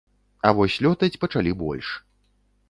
А вось лётаць пачалі больш.